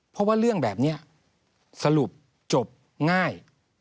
เพราะว่าเรื่องแบบนี้สรุปจบง่าย